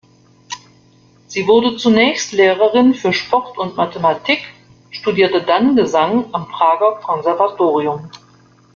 Sie wurde zunächst Lehrerin für Sport und Mathematik, studierte dann Gesang am Prager Konservatorium.